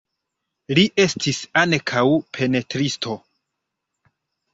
Li estis ankaŭ pentristo.